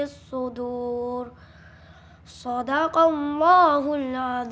ataupun resto bahkan anointed